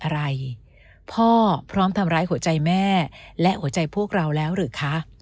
อะไรพ่อพร้อมทำร้ายหัวใจแม่และหัวใจพวกเราแล้วหรือคะ